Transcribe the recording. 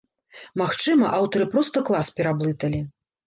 Магчыма, аўтары проста клас пераблыталі.